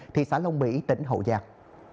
thị xã lông mỹ tỉnh hậu giang